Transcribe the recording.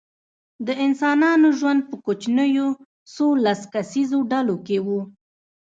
د انسانانو ژوند په کوچنیو څو لس کسیزو ډلو کې و.